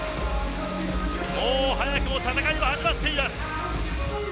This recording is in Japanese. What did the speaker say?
もう、早くも戦いは始まっています。